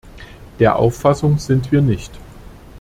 Der Auffassung sind wir nicht.